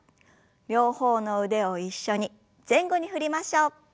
両方の腕を一緒に前後に振りましょう。